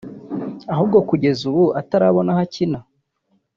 ahubwo kugeza ubu atarabona aho akina